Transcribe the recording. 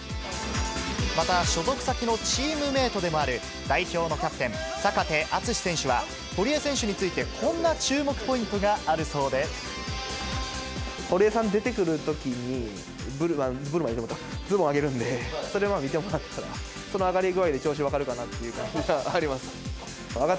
また、所属先のチームメートでもある代表のキャプテン、坂手淳史選手は、堀江選手について、こんな注目ポイントがあるそ堀江さん出てくるときに、ズボン上げるんで、それを見てもらったら、その上がり具合で調子分かるかなっていうのが。